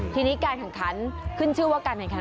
ทีนี้การแข่งขันขึ้นชื่อว่าการแข่งขัน